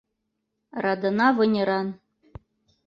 Радына вынеран...